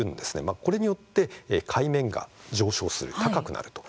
これによって海面が上昇する、高くなると。